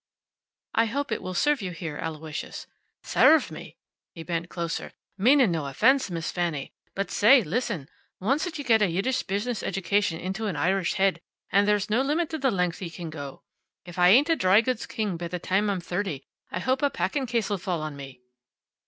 "I hope it will serve you here, Aloysius." "Sarve me!" He bent closer. "Meanin' no offense, Miss Fanny; but say, listen: Oncet ye get a Yiddish business education into an Irish head, and there's no limit to the length ye can go. If I ain't a dry goods king be th' time I'm thirty I hope a packin' case'll fall on me."